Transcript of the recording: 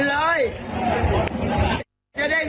รู้จักกูดี